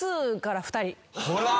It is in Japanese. ほら！